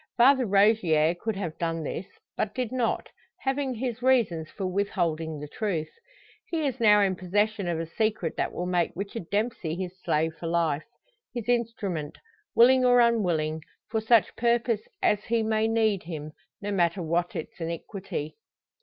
Father Rogier could have done this; but did not, having his reasons for withholding the truth. He is now in possession of a secret that will make Richard Dempsey his slave for life his instrument, willing or unwilling, for such purpose as he may need him, no matter what its iniquity.